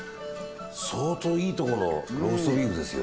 相当いいとこのローストビーフですよ。